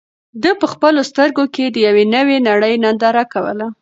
ده په خپلو سترګو کې د یوې نوې نړۍ ننداره کوله.